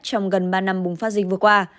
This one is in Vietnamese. trong gần ba năm bùng phát dịch vừa qua